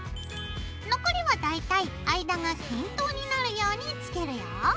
残りは大体間が均等になるようにつけるよ。